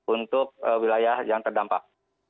untuk wilayah yang terdampak